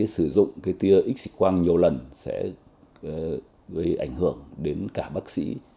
sử dụng tia x quang nhiều lần sẽ gây ảnh hưởng đến cả bác sĩ